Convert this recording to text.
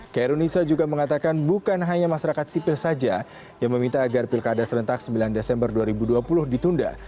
kerunisa juga mengatakan bukan hanya masyarakat sipil saja yang meminta agar pilkada serentak sembilan desember dua ribu dua puluh ditunda